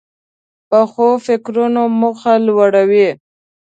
پخو فکرونو موخه لوړه وي